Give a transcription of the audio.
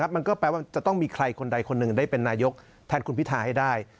มันก็แปลว่าจะต้องมีใครคนใดคนหนึ่งได้เป็นนายกแทนคุณพิทาให้ได้